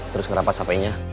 terus ngerampas hp nya